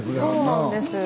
そうなんです。